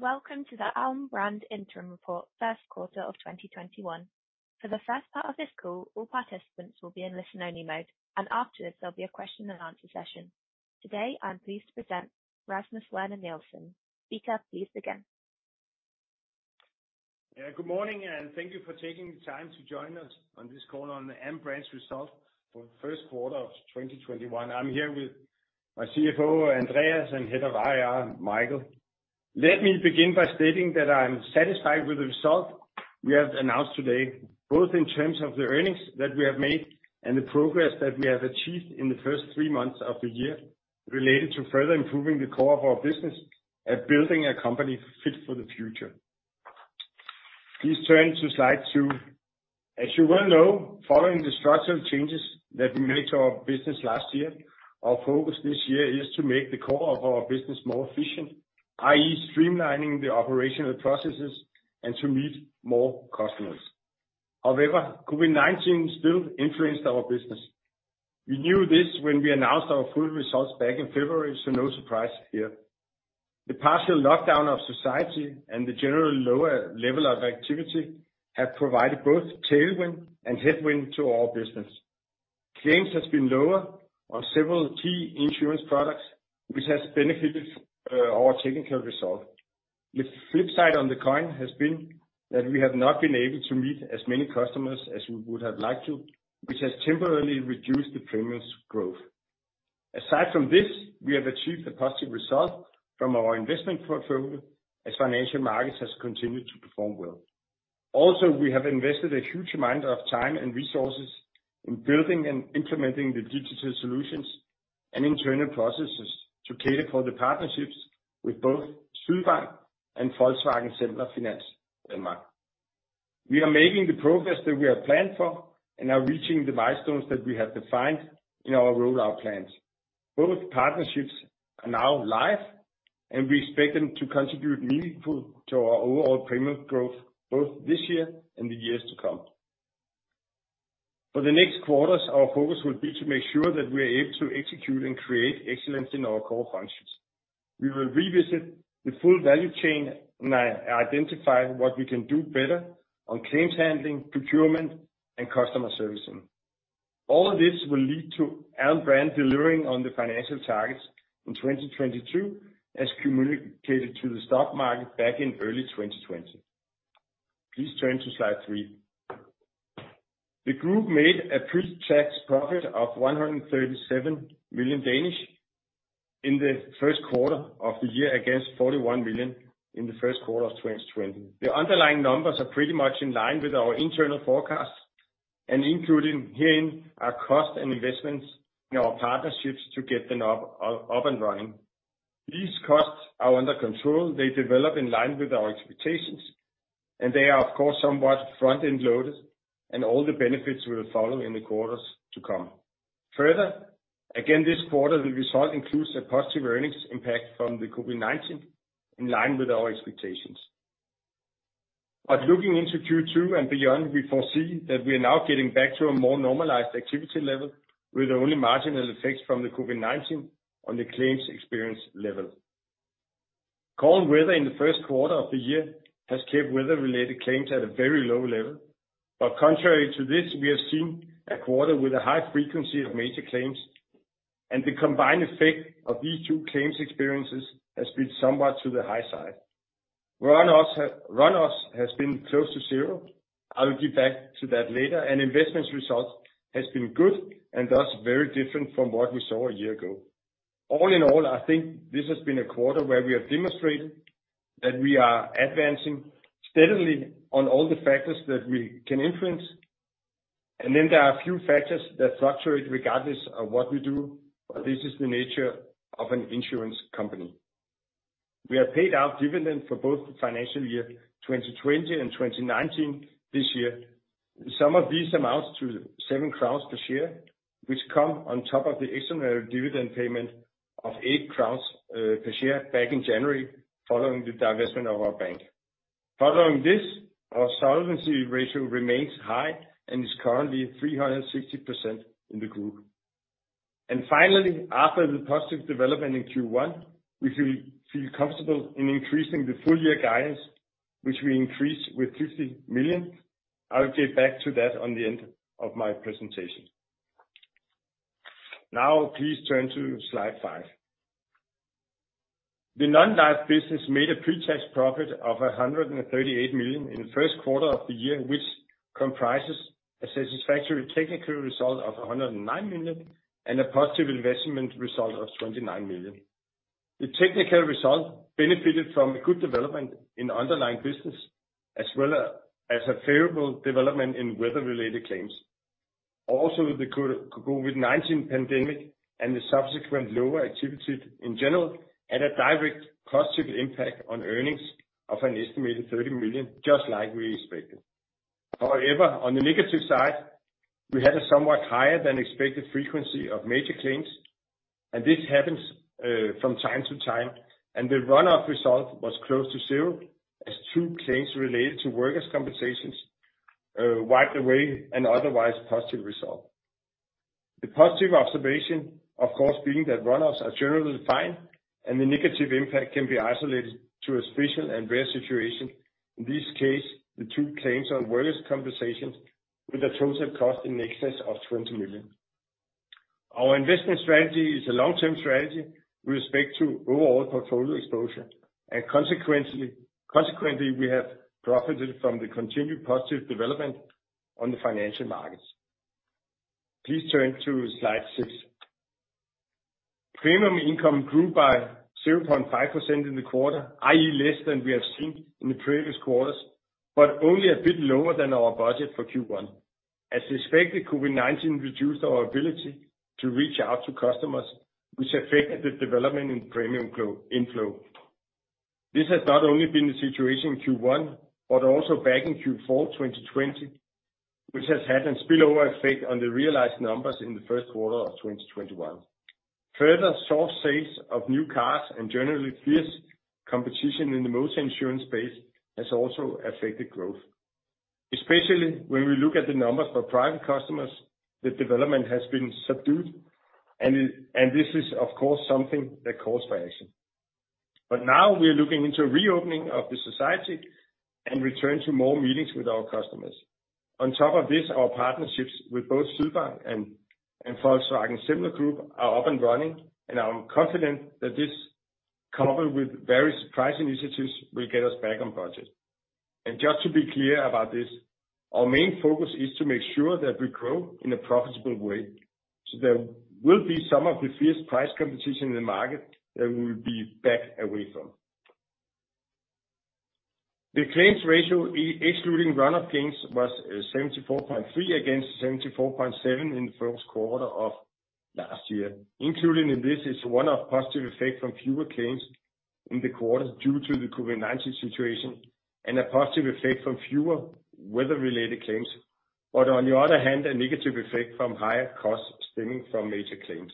Welcome to the Alm. Brand Interim Report First Quarter of 2021. For the first part of this call, all participants will be in listen only mode, and after this, there'll be a question-and-answer session. Today, I'm pleased to present Rasmus Werner Nielsen. Good morning. Thank you for taking the time to join us on this call on the Alm. Brand's result for the first quarter of 2021. I'm here with my CFO, Andreas, and Head of IR, Michael. Let me begin by stating that I'm satisfied with the result we have announced today, both in terms of the earnings that we have made and the progress that we have achieved in the first three months of the year related to further improving the core of our business and building a company fit for the future. Please turn to slide two. As you well know, following the structural changes that we made to our business last year, our focus this year is to make the core of our business more efficient, i.e., streamlining the operational processes and to meet more customers. COVID-19 still influenced our business. We knew this when we announced our full results back in February, so no surprise here. The partial lockdown of society and the general lower level of activity have provided both tailwind and headwind to our business. Claims has been lower on several key insurance products, which has benefited our technical result. The flip side on the coin has been that we have not been able to meet as many customers as we would have liked to, which has temporarily reduced the premiums growth. Also, we have achieved a positive result from our investment portfolio as financial markets has continued to perform well. Aside from this, we have invested a huge amount of time and resources in building and implementing the digital solutions and internal processes to cater for the partnerships with both Sydbank and Volkswagen Semler Finans Danmark. We are making the progress that we have planned for and are reaching the milestones that we have defined in our rollout plans. Both partnerships are now live, and we expect them to contribute meaningfully to our overall premium growth both this year and the years to come. For the next quarters, our focus will be to make sure that we are able to execute and create excellence in our core functions. We will revisit the full value chain and identify what we can do better on claims handling, procurement, and customer servicing. All of this will lead to Alm. Brand delivering on the financial targets in 2022, as communicated to the stock market back in early 2020. Please turn to slide three. The group made a pre-tax profit of 137 million in the first quarter of the year, against 41 million in the first quarter of 2020. The underlying numbers are pretty much in line with our internal forecasts and including herein our cost and investments in our partnerships to get them up and running. These costs are under control. They develop in line with our expectations, they are of course, somewhat front-end loaded, all the benefits will follow in the quarters to come. Further, again, this quarter, the result includes a positive earnings impact from the COVID-19 in line with our expectations. Looking into Q2 and beyond, we foresee that we are now getting back to a more normalized activity level with only marginal effects from the COVID-19 on the claims experience level. Calm weather in the first quarter of the year has kept weather related claims at a very low level. Contrary to this, we have seen a quarter with a high frequency of major claims, and the combined effect of these two claims experiences has been somewhat to the high side. Run-offs has been close to zero. I will get back to that later. Investments results has been good and thus very different from what we saw a year ago. All in all, I think this has been a quarter where we have demonstrated that we are advancing steadily on all the factors that we can influence. There are a few factors that fluctuate regardless of what we do. This is the nature of an insurance company. We have paid out dividends for both financial year 2020 and 2019 this year. The sum of these amounts to 7 crowns per share, which come on top of the extraordinary dividend payment of 8 crowns per share back in January, following the divestment of our bank. Following this, our solvency ratio remains high and is currently 360% in the group. Finally, after the positive development in Q1, we feel comfortable in increasing the full year guidance, which we increased with 50 million. I'll get back to that on the end of my presentation. Please turn to slide five. The non-life business made a pre-tax profit of 138 million in the first quarter of the year, which comprises a satisfactory technical result of 109 million and a positive investment result of 29 million. The technical result benefited from a good development in underlying business as well as a favorable development in weather-related claims. The COVID-19 pandemic and the subsequent lower activity in general had a direct cost impact on earnings of an estimated DKK 30 million, just like we expected. On the negative side, we had a somewhat higher than expected frequency of major claims, and this happens from time to time, and the run-off result was close to zero as two claims related to workers' compensations wiped away an otherwise positive result. The positive observation, of course, being that run-offs are generally fine, and the negative impact can be isolated to a special and rare situation. In this case, the two claims on workers' compensation with a total cost in excess of 20 million. Our investment strategy is a long-term strategy with respect to overall portfolio exposure. Consequently, we have profited from the continued positive development on the financial markets. Please turn to slide six. Premium income grew by 0.5% in the quarter, i.e., less than we have seen in the previous quarters. Only a bit lower than our budget for Q1. As expected, COVID-19 reduced our ability to reach out to customers, which affected the development in premium inflow. This has not only been the situation in Q1, but also back in Q4 2020, which has had a spillover effect on the realized numbers in the first quarter of 2021. Further soft sales of new cars and generally fierce competition in the motor insurance space has also affected growth. Especially when we look at the numbers for private customers, the development has been subdued, and this is, of course, something that calls for action. Now we are looking into reopening of the society and return to more meetings with our customers. On top of this, our partnerships with both Sydbank and Volkswagen Semler Group are up and running. I'm confident that this, coupled with various pricing initiatives, will get us back on budget. Just to be clear about this, our main focus is to make sure that we grow in a profitable way. There will be some of the fierce price competition in the market that we will be back away from. The claims ratio, excluding run-off gains, was 74.3% against 74.7% in the first quarter of last year. Included in this is one of positive effect from fewer claims in the quarter due to the COVID-19 situation and a positive effect from fewer weather-related claims. On the other hand, a negative effect from higher costs stemming from major claims.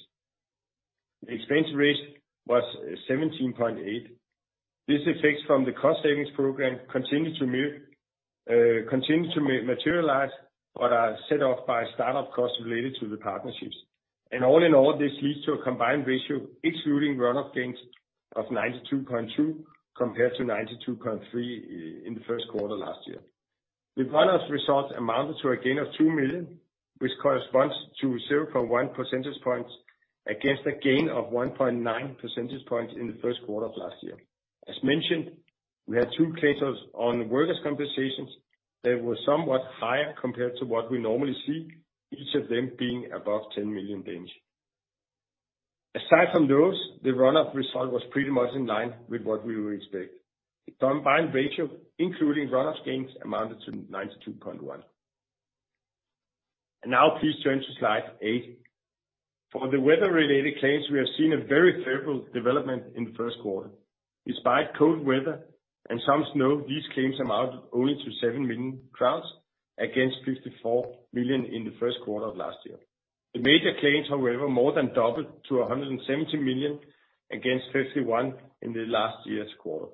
The expense ratio was 17.8. This effect from the cost savings program continue to materialize but are set off by start-up costs related to the partnerships. All in all, this leads to a combined ratio excluding run-off gains of 92.2 compared to 92.3 in the first quarter last year. The run-off result amounted to a gain of 2 million, which corresponds to 0.1 percentage points against a gain of 1.9 percentage points in the first quarter of last year. As mentioned, we had two claims on workers' compensations that were somewhat higher compared to what we normally see, each of them being above 10 million. Aside from those, the run-off result was pretty much in line with what we would expect. The combined ratio, including run-off gains, amounted to 92.1. Now please turn to slide eight. For the weather-related claims, we have seen a very favorable development in the first quarter. Despite cold weather and some snow, these claims amount only to 7 million against 54 million in the first quarter of last year. The major claims, however, more than doubled to 170 million against 51 in the last year's quarter.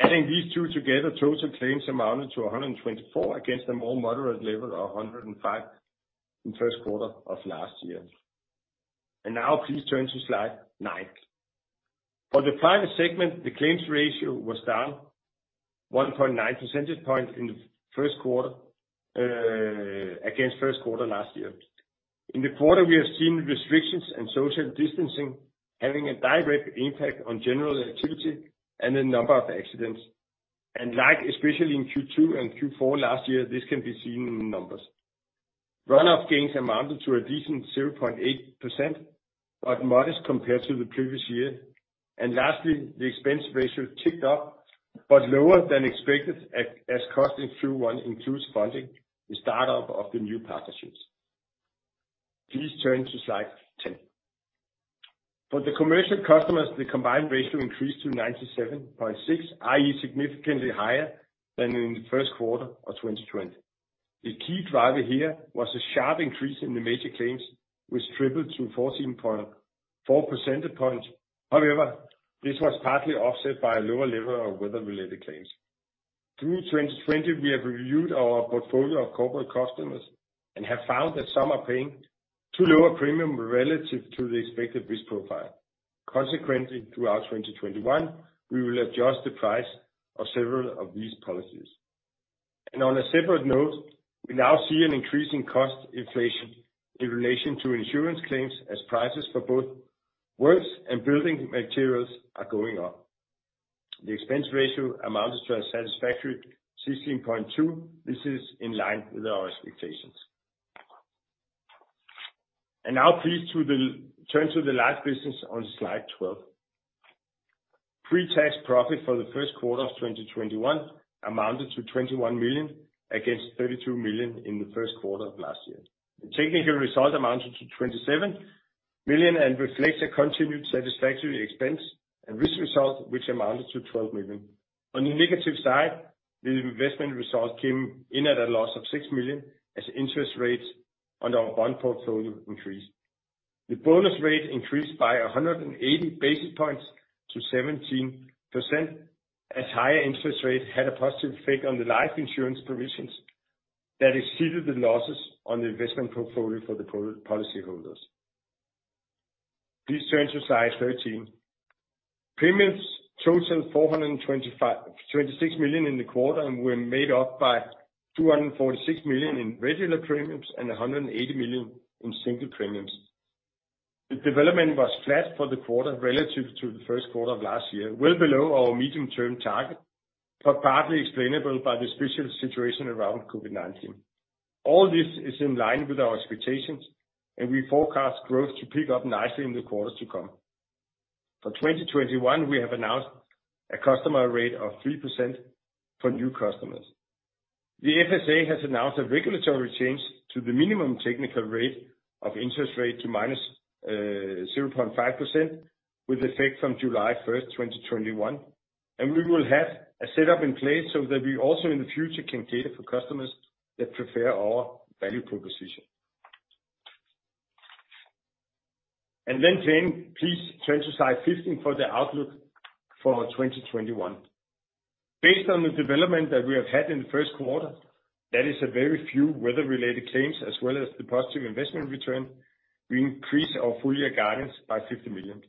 Adding these two together, total claims amounted to 124 against a more moderate level of 105 in the first quarter of last year. Now please turn to slide nine. For the private segment, the claims ratio was down 1.9 percentage points in the first quarter against first quarter last year. In the quarter, we have seen restrictions and social distancing having a direct impact on general activity and the number of accidents. Like especially in Q2 and Q4 last year, this can be seen in the numbers. Run-off gains amounted to a decent 0.8%, modest compared to the previous year. Lastly, the expense ratio ticked up, but lower than expected as cost in Q1 includes funding the start-up of the new partnerships. Please turn to slide 10. For the commercial customers, the combined ratio increased to 97.6, i.e., significantly higher than in the first quarter of 2020. The key driver here was a sharp increase in the major claims, which tripled to 14.4 percentage points. However, this was partly offset by a lower level of weather-related claims. Through 2020, we have reviewed our portfolio of corporate customers and have found that some are paying too low a premium relative to the expected risk profile. Throughout 2021, we will adjust the price of several of these policies. On a separate note, we now see an increase in cost inflation in relation to insurance claims as prices for both works and building materials are going up. The expense ratio amounted to a satisfactory 16.2%. This is in line with our expectations. Now please turn to the life business on slide 12. Pre-tax profit for the first quarter of 2021 amounted to 21 million against 32 million in the first quarter of last year. The technical result amounted to 27 million and reflects a continued satisfactory expense and risk result, which amounted to 12 million. On the negative side, the investment result came in at a loss of 6 million as interest rates on our bond portfolio increased. The bonus rate increased by 180 basis points to 17%, as higher interest rates had a positive effect on the life insurance provisions that exceeded the losses on the investment portfolio for the policyholders. Please turn to slide 13. Premiums totaled 426 million in the quarter and were made up by 246 million in regular premiums and 180 million in single premiums. The development was flat for the quarter relative to the first quarter of last year, well below our medium-term target, but partly explainable by the special situation around COVID-19. All this is in line with our expectations, and we forecast growth to pick up nicely in the quarters to come. For 2021, we have announced a customer rate of 3% for new customers. The FSA has announced a regulatory change to the minimum technical rate of interest to -0.5%, with effect from July 1st, 2021. We will have a setup in place so that we also in the future can cater for customers that prefer our value proposition. Please turn to slide 15 for the outlook for 2021. Based on the development that we have had in the first quarter, that is a very few weather-related claims as well as the positive investment return, we increase our full year guidance by 50 million.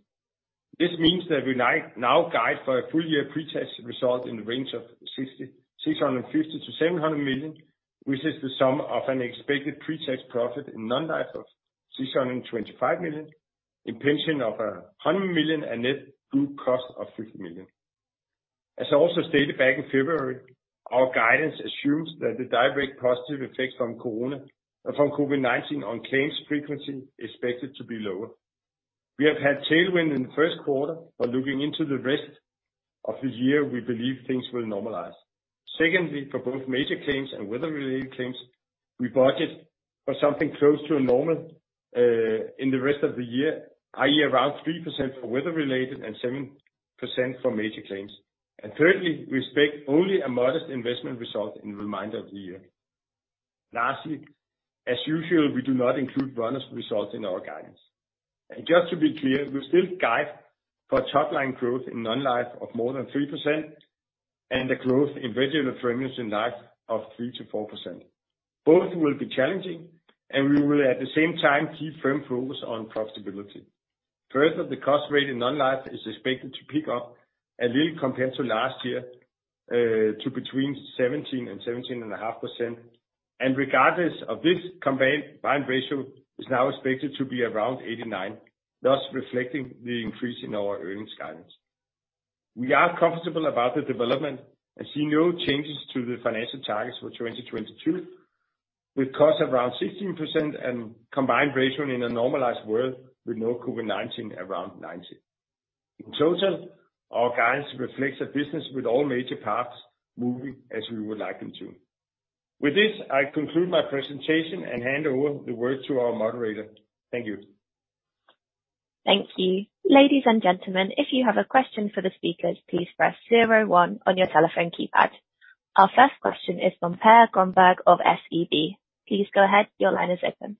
This means that we now guide for a full-year pre-tax result in the range of 650 million-700 million, which is the sum of an expected pre-tax profit in non-life of 625 million, in pension of 100 million, and net group cost of 50 million. As I also stated back in February, our guidance assumes that the direct positive effect from COVID-19 on claims frequency is expected to be lower. We have had tailwind in the first quarter, but looking into the rest of the year, we believe things will normalize. Secondly, for both major claims and weather-related claims, we budget for something close to normal in the rest of the year, i.e., around 3% for weather-related and 7% for major claims. Thirdly, we expect only a modest investment result in the remainder of the year. Lastly, as usual, we do not include bonus results in our guidance. Just to be clear, we still guide for top line growth in non-life of more than 3% and the growth in regular premiums in life of 3%-4%. Both will be challenging, and we will at the same time keep firm focus on profitability. Further, the cost rate in non-life is expected to pick up a little compared to last year, to between 17% and 17.5%. Regardless of this, combined ratio is now expected to be around 89%, thus reflecting the increase in our earnings guidance. We are comfortable about the development and see no changes to the financial targets for 2022, with costs around 16% and combined ratio in a normalized world with no COVID-19 around 90%. In total, our guidance reflects a business with all major parts moving as we would like them to. With this, I conclude my presentation and hand over the word to our moderator. Thank you. Thank you. Ladies and gentlemen, if you have a question for the speakers, please press zero one on your telephone keypad. Our first question is from Per Grønborg of SEB. Please go ahead. Your line is open.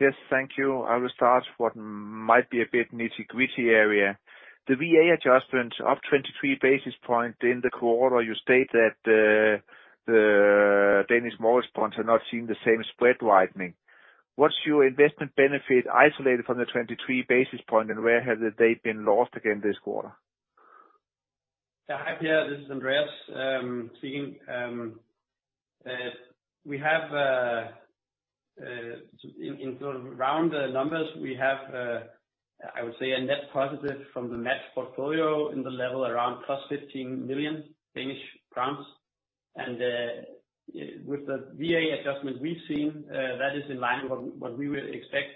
Yes, thank you. I will start what might be a bit nitty-gritty area. The VA adjustment of 23 basis points in the quarter, you state that the Danish mortgage bonds have not seen the same spread widening. What's your investment benefit isolated from the 23 basis point? Where have they been lost again this quarter? Hi, Per. This is Andreas speaking. In round numbers, we have, I would say, a net positive from the match portfolio in the level around +15 million Danish crowns. With the VA adjustment we've seen, that is in line with what we would expect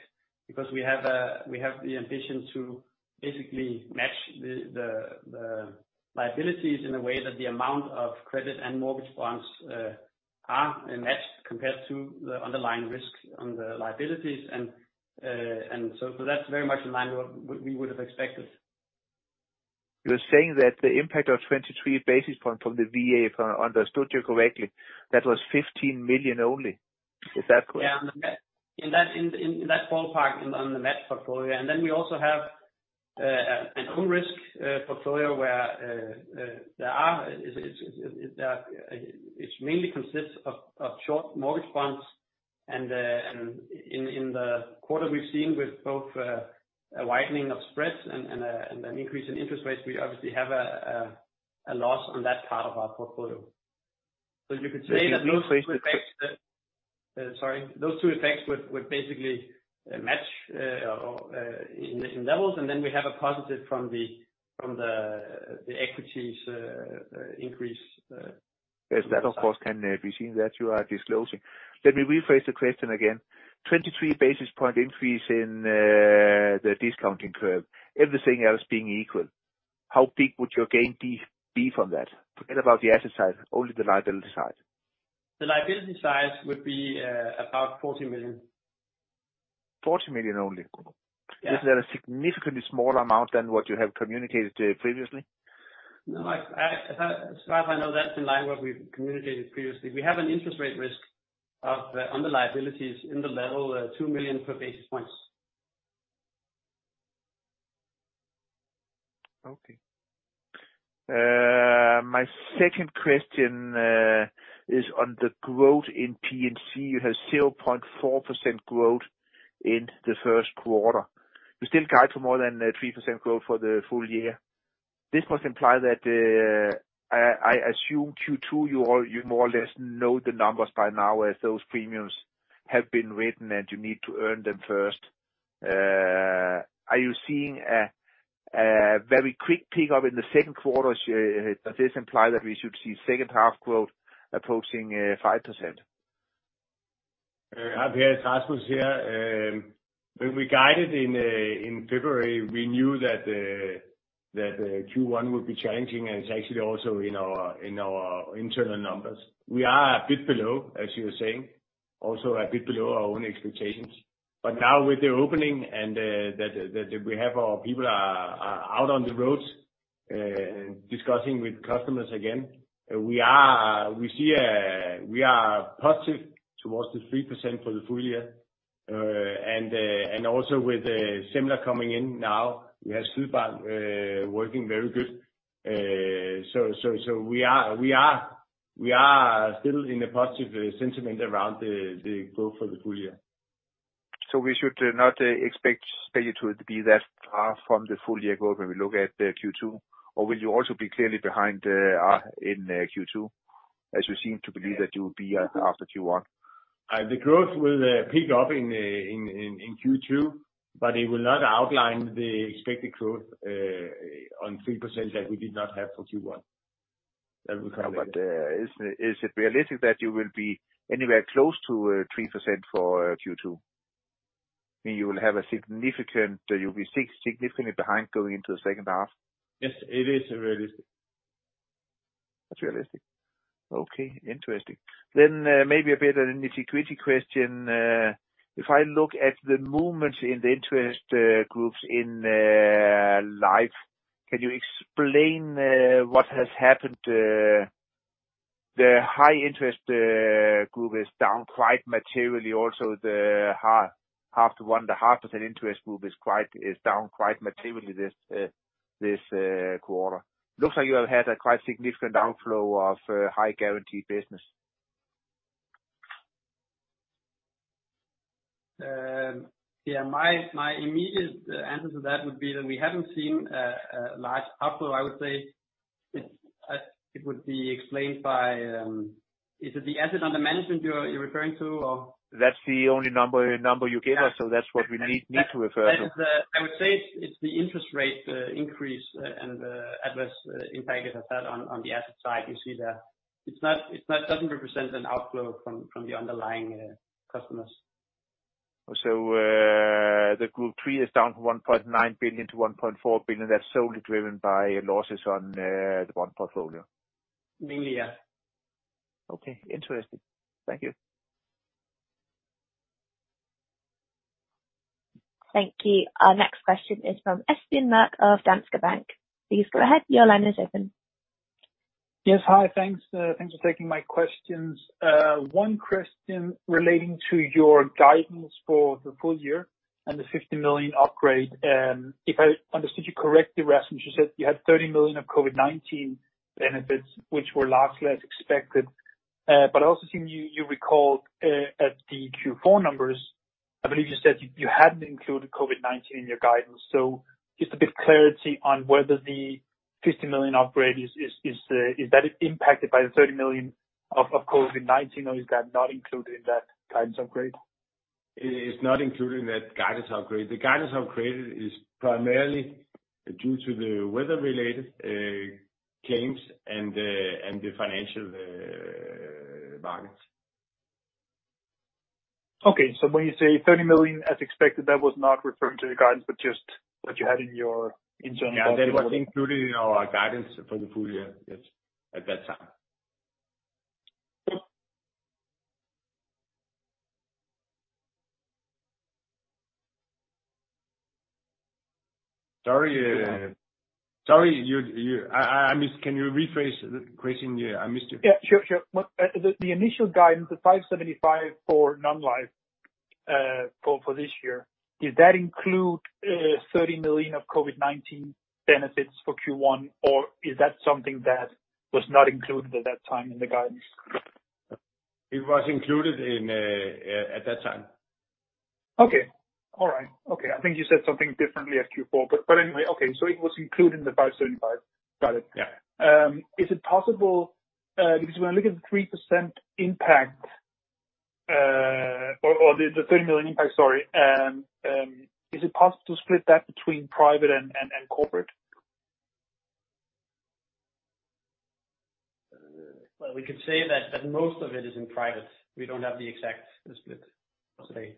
because we have the ambition to basically match the liabilities in a way that the amount of credit and mortgage bonds are a match compared to the underlying risk on the liabilities. That's very much in line with what we would have expected. You are saying that the impact of 23 basis point from the VA, if I understood you correctly, that was 15 million only. Is that correct? Yeah. In that ballpark on the match portfolio. We also have an own risk portfolio which mainly consists of short mortgage bonds. In the quarter we've seen with both a widening of spreads and an increase in interest rates, we obviously have a loss on that part of our portfolio. You could say that those two effects. Let me rephrase the question. Sorry. Those two effects would basically match in levels. Then we have a positive from the equities increase. Yes. That of course can be seen that you are disclosing. Let me rephrase the question again. 23 basis point increase in the discounting curve, everything else being equal, how big would your gain be from that? Forget about the asset side, only the liability side. The liability side would be about 40 million. 40 million only? Yeah. Isn't that a significantly smaller amount than what you have communicated previously? No, I know that's in line what we've communicated previously. We have an interest rate risk on the liabilities in the level of 2 million per basis points. Okay. My second question is on the growth in P&C. You have 0.4% growth in the first quarter. You still guide for more than 3% growth for the full year. This must imply that, I assume Q2, you more or less know the numbers by now as those premiums have been written, and you need to earn them first. Are you seeing a very quick pick-up in the second quarter? Does this imply that we should see second half growth approaching 5%? Rasmus here. When we guided in February, we knew that Q1 would be challenging, and it's actually also in our internal numbers. We are a bit below, as you were saying, also a bit below our own expectations. Now with the opening and that we have our people are out on the roads discussing with customers again, we are positive towards the 3% for the full year. Also with Semler coming in now, we have Sydbank working very good. We are still in a positive sentiment around the growth for the full year. We should not expect Q2 to be that far from the full year growth when we look at Q2? Or will you also be clearly behind in Q2, as you seem to believe that you'll be after Q1? The growth will pick up in Q2, but it will not outline the expected growth on 3% that we did not have for Q1. That will come later. Is it realistic that you will be anywhere close to 3% for Q2? You will be significantly behind going into the second half? Yes, it is realistic. It's realistic. Okay, interesting. Maybe a bit of an nitty-gritty question. If I look at the movements in the interest groups in Life, can you explain what has happened? The high interest group is down quite materially. The 0.5%-1.5% interest group is down quite materially this quarter. Looks like you have had a quite significant outflow of high guaranteed business. Yeah, my immediate answer to that would be that we haven't seen a large outflow. I would say it would be explained by. Is it the asset under management you're referring to or? That's the only number you gave us, so that's what we need to refer to. I would say it's the interest rate increase and the adverse impact it has had on the asset side. You see that it doesn't represent an outflow from the underlying customers. The group three is down from 1.9 billion-1.4 billion. That's solely driven by losses on the bond portfolio. Mainly, yes. Okay, interesting. Thank you. Thank you. Our next question is from Asbjørn Mørk of Danske Bank. Please go ahead. Yes, hi. Thanks for taking my questions. One question relating to your guidance for the full year and the 50 million upgrade. If I understood you correctly, Rasmus, you said you had 30 million of COVID-19 benefits, which were largely as expected. I also think you recalled at the Q4 numbers, I believe you said you hadn't included COVID-19 in your guidance. Just a bit of clarity on whether the DKK 50 million upgrade, is that impacted by the DKK 30 million of COVID-19, or is that not included in that guidance upgrade? It is not included in that guidance upgrade. The guidance upgrade is primarily due to the weather-related claims and the financial markets. Okay. When you say 30 million as expected, that was not referring to the guidance, but just what you had in your internal model. That was included in our guidance for the full year, yes, at that time. Sorry, I missed. Can you rephrase the question? I missed it. Yeah, sure. The initial guidance of 575 for non-life for this year, does that include 30 million of COVID-19 benefits for Q1, or is that something that was not included at that time in the guidance? It was included at that time. Okay. All right. Okay. I think you said something differently at Q4, but anyway, okay, so it was included in the DKK 575 guidance. Yeah. Is it possible, because when I look at the 3% impact, or the 30 million impact, sorry, is it possible to split that between private and corporate? We could say that most of it is in private. We don't have the exact split today.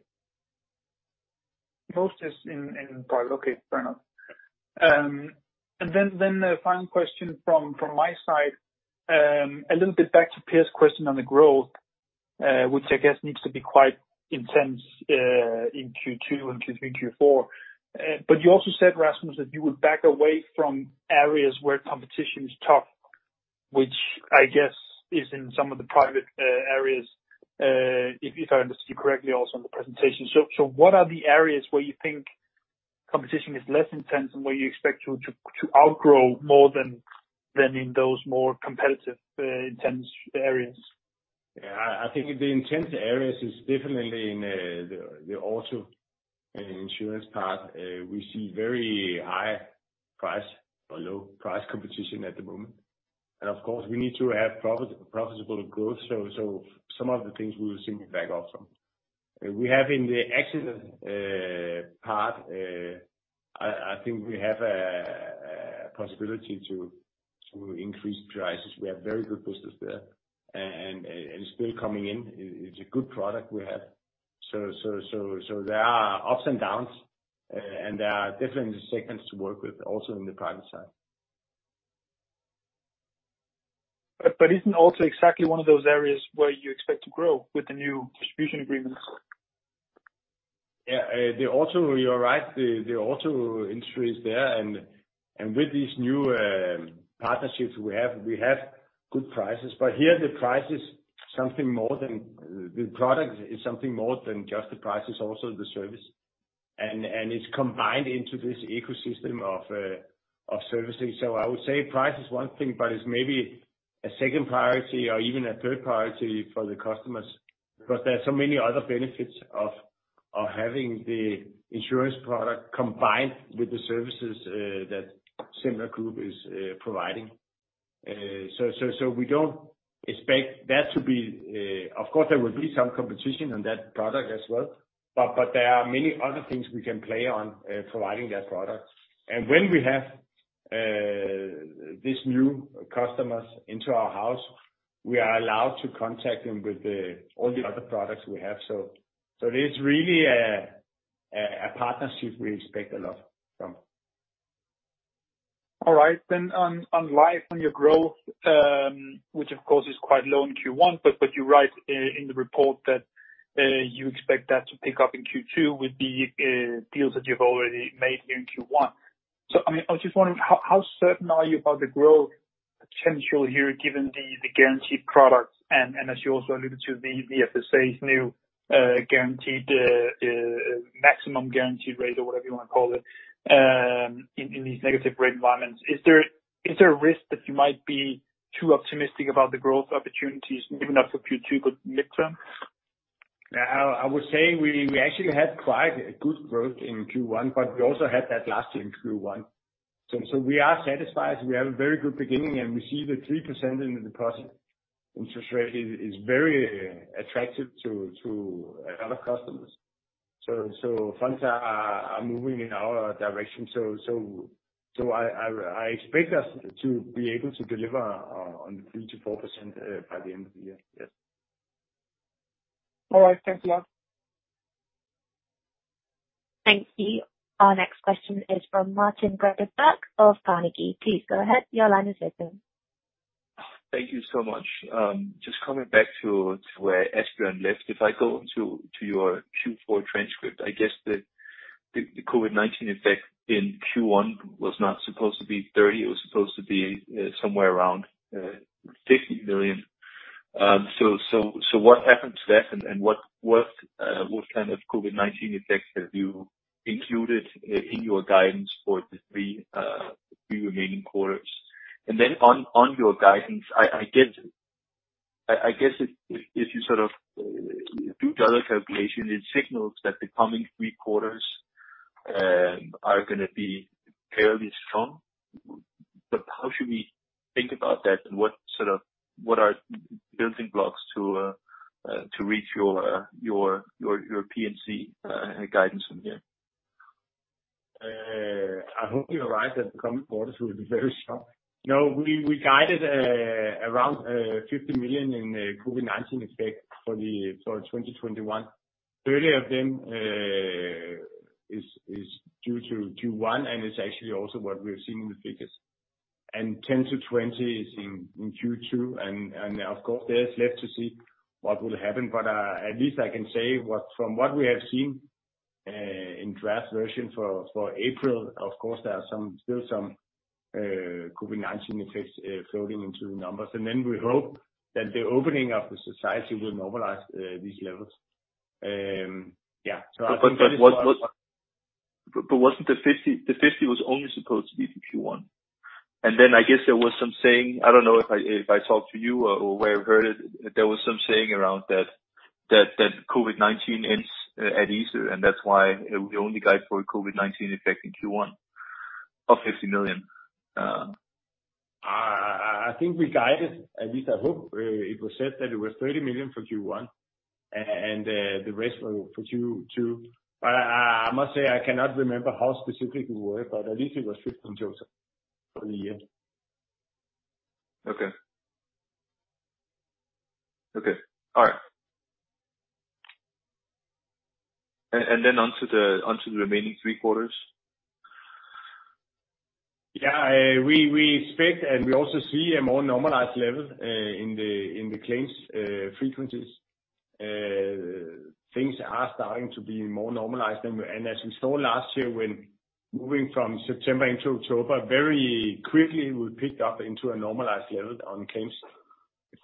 Most is in private. Okay, fair enough. The final question from my side, a little bit back to Per's question on the growth, which I guess needs to be quite intense in Q2 and Q3, Q4. You also said, Rasmus, that you would back away from areas where competition is tough, which I guess is in some of the private areas, if I understood you correctly also on the presentation. What are the areas where you think competition is less intense and where you expect to outgrow more than in those more competitive, intense areas? Yeah. I think the intense areas is definitely in the auto insurance part. We see very high price or low price competition at the moment. Of course, we need to have profitable growth, so some of the things we will simply back off from. We have in the accident part, I think we have a possibility to increase prices. We have very good business there, and it's still coming in. It's a good product we have. There are ups and downs, and there are different segments to work with, also in the private side. Isn't auto exactly one of those areas where you expect to grow with the new distribution agreements? Yeah, you are right, the auto industry is there and with these new partnerships we have, we have good prices. Here the product is something more than just the price, it's also the service. It's combined into this ecosystem of servicing. I would say price is one thing, but it's maybe a second priority or even a third priority for the customers, because there are so many other benefits of having the insurance product combined with the services that Semler Group is providing. We don't expect. Of course, there will be some competition on that product as well. There are many other things we can play on providing that product. When we have these new customers into our house, we are allowed to contact them with all the other products we have. It is really a partnership we expect a lot from. On life, on your growth, which of course is quite low in Q1, but you write in the report that you expect that to pick up in Q2 with the deals that you've already made here in Q1. I was just wondering, how certain are you about the growth potential here given the guaranteed products and as you also alluded to, the FSA's new maximum guaranteed rate or whatever you want to call it, in these negative rate environments? Is there a risk that you might be too optimistic about the growth opportunities even up to Q2 mid-term? I would say we actually had quite a good growth in Q1. We also had that last year in Q1. We are satisfied. We have a very good beginning, and we see the 3% in the deposit interest rate is very attractive to a lot of customers. Funds are moving in our direction. I expect us to be able to deliver on 3%-4% by the end of the year. Yes. All right. Thanks a lot. Thank you. Our next question is from Martin Gregers Birk of Carnegie. Please go ahead. Your line is open. Thank you so much. Just coming back to where Asbjørn Mørk left. If I go to your Q4 transcript, I guess the COVID-19 effect in Q1 was not supposed to be 30, it was supposed to be somewhere around 15 million. What happened to that and what kind of COVID-19 effects have you included in your guidance for the three remaining quarters? On your guidance, I guess if you do the other calculation, it signals that the coming three quarters are going to be fairly strong. How should we think about that, and what are building blocks to reach your P&C guidance from here? I hope you're right that the coming quarters will be very strong. We guided around 50 million in COVID-19 effect for 2021. 30 of them is due to Q1 and it's actually also what we've seen in the figures. 10 to 20 is in Q2. Of course, there's left to see what will happen. At least I can say from what we have seen in draft version for April, of course, there are still some COVID-19 effects floating into the numbers. We hope that the opening of the society will normalize these levels. I think that is. Wasn't the 50 million was only supposed to be for Q1? Then I guess there was some saying, I don't know if I talked to you or where I heard it, there was some saying around that COVID-19 ends at Easter, and that's why we only guide for COVID-19 effect in Q1 of 50 million. I think we guided, at least I hope it was said that it was 30 million for Q1 and the rest for Q2. I must say I cannot remember how specific we were, but at least it was 50 in total for the year. Okay. All right. Onto the remaining three quarters. Yeah. We expect we also see a more normalized level in the claims frequencies. Things are starting to be more normalized. As we saw last year when moving from September into October, very quickly we picked up into a normalized level on claims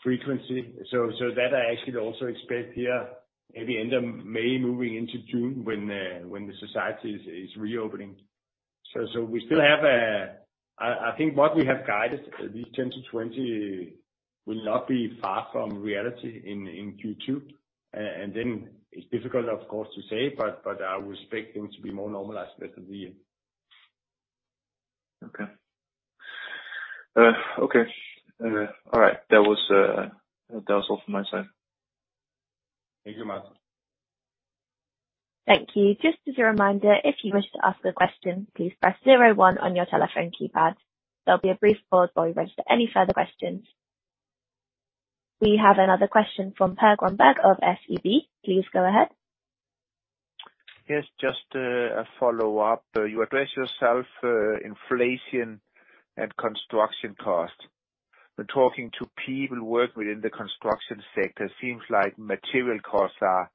frequency. That I actually also expect here, maybe end of May, moving into June when the society is reopening. We still have I think what we have guided, this 10-20 will not be far from reality in Q2. It's difficult of course to say, but I would expect things to be more normalized rest of the year. Okay. All right. That was all from my side. Thank you, Martin. Thank you. Just as a reminder, if you wish to ask a question, please press zero one on your telephone keypad. There'll be a brief pause while we register any further questions. We have another question from Per Grønborg of SEB. Please go ahead. Yes, just a follow-up. You address yourself inflation and construction costs. When talking to people who work within the construction sector, seems like material costs are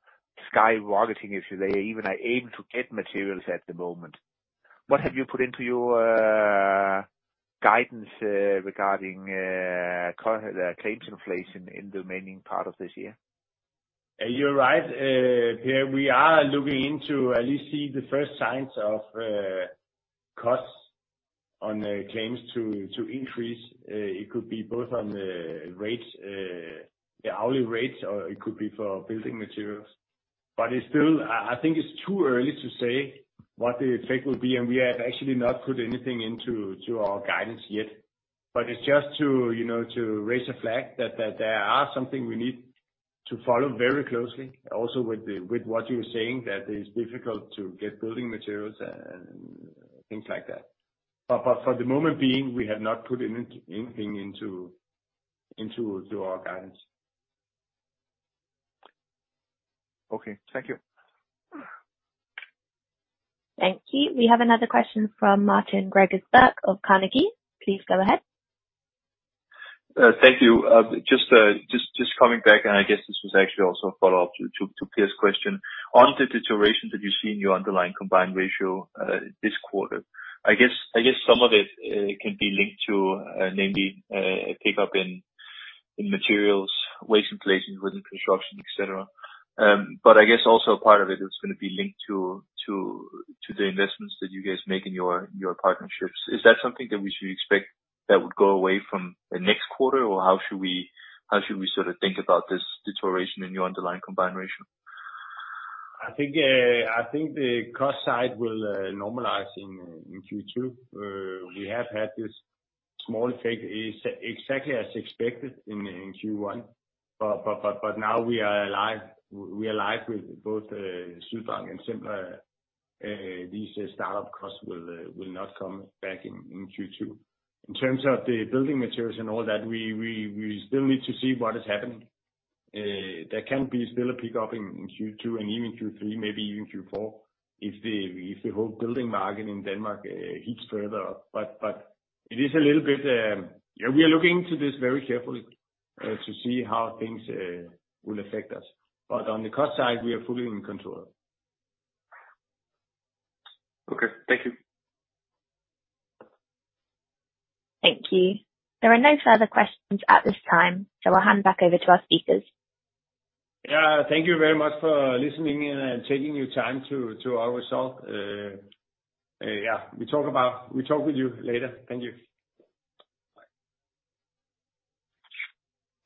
skyrocketing, if they even are able to get materials at the moment. What have you put into your guidance regarding claims inflation in the remaining part of this year? You're right, Per. We are looking into, at least see the first signs of costs on the claims to increase. It could be both on the hourly rates, or it could be for building materials. I think it's too early to say what the effect will be, and we have actually not put anything into our guidance yet. It's just to raise a flag that there are some things we need to follow very closely. Also with what you're saying, that it's difficult to get building materials and things like that. For the moment being, we have not put anything into our guidance. Okay. Thank you. Thank you. We have another question from Martin Gregers Birk of Carnegie. Please go ahead. Thank you. Just coming back, I guess this was actually also a follow-up to Per's question. On the deterioration that you see in your underlying combined ratio this quarter, I guess some of it can be linked to namely a pickup in materials, wage inflations within construction, et cetera. I guess also a part of it is going to be linked to the investments that you guys make in your partnerships. Is that something that we should expect that would go away from the next quarter, or how should we sort of think about this deterioration in your underlying combined ratio? I think the cost side will normalize in Q2. We have had this small effect, exactly as expected in Q1. Now we are live with both Sydbank and Semler. These startup costs will not come back in Q2. In terms of the building materials and all that, we still need to see what is happening. There can be still a pickup in Q2 and even Q3, maybe even Q4, if the whole building market in Denmark heats further up. It is a little bit. We are looking into this very carefully to see how things will affect us. On the cost side, we are fully in control. Okay. Thank you. Thank you. There are no further questions at this time, so I'll hand back over to our speakers. Yeah. Thank you very much for listening and taking your time to our results. Yeah, we talk with you later. Thank you. Bye.